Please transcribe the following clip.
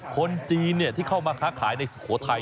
คนจีนที่เข้ามาค้าขายในสุโขทัย